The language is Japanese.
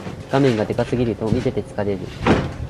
画面がでかすぎると見てて疲れる